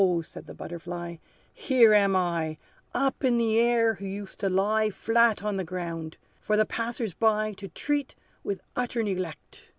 said the Butterfly, "here am I, Up in the air, who used to lie Flat on the ground, for the passers by To treat with utter neglect!